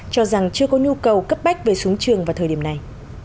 cho rằng chưa có nhu cầu cấp bách về súng trường vào thời điểm này